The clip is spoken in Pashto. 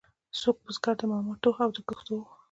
څوک بزګر د مامتو او د کښتو وو.